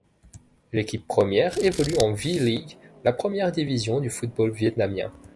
L'équipe première évolue en V-league, la première division du football vietnamien.